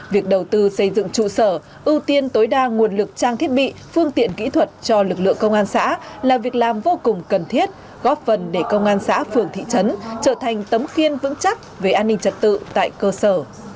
việc đầu tư xây dựng trụ sở ưu tiên tối đa nguồn lực trang thiết bị phương tiện kỹ thuật cho lực lượng công an xã là việc làm vô cùng cần thiết góp phần để công an xã phường thị trấn trở thành tấm khiên vững chắc về an ninh trật tự tại cơ sở